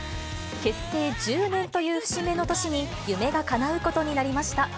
結成１０年という節目の年に、夢がかなうことになりました。